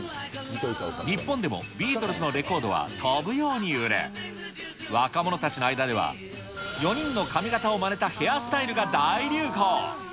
日本でもビートルズのレコードは飛ぶように売れ、若者たちの間では、４人の髪形をまねたヘアスタイルが大流行。